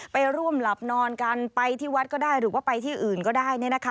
ไปร่วมหลับนอนกันไปที่วัดก็ได้หรือว่าไปที่อื่นก็ได้